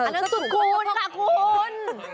อันนั้นสุดคูณค่ะคุณ